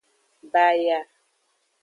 Baya.